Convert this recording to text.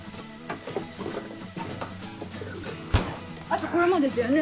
あとこれもですよね。